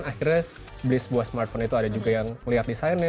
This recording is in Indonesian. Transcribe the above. akhirnya beli sebuah smartphone itu ada juga yang melihat desainnya